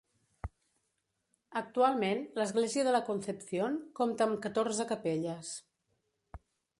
Actualment l'església de la Concepción compta amb catorze capelles.